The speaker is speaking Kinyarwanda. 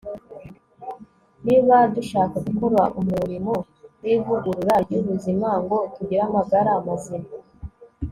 niba dushaka gukora umurimo w'ivugurura ry'ubuzima ngo tugire amagara mazima